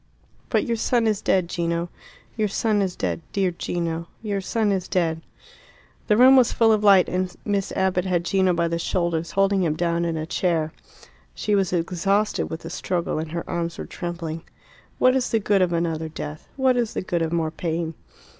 "But your son is dead, Gino. Your son is dead, dear Gino. Your son is dead." The room was full of light, and Miss Abbott had Gino by the shoulders, holding him down in a chair. She was exhausted with the struggle, and her arms were trembling. "What is the good of another death? What is the good of more pain?"